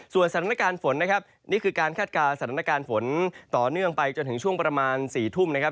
สถานการณ์ฝนนะครับนี่คือการคาดการณ์สถานการณ์ฝนต่อเนื่องไปจนถึงช่วงประมาณ๔ทุ่มนะครับ